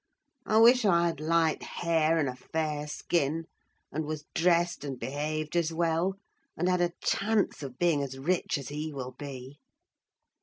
I wish I had light hair and a fair skin, and was dressed and behaved as well, and had a chance of being as rich as he will be!"